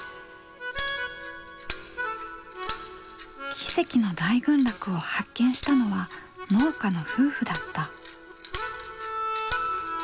奇跡の大群落を発見したのは農家の夫婦だった。